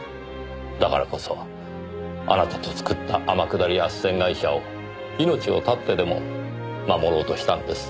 だからこそあなたと作った天下り斡旋会社を命を絶ってでも守ろうとしたんです。